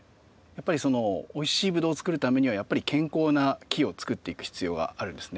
やっぱりおいしいブドウをつくるためにはやっぱり健康な木をつくっていく必要があるんですね。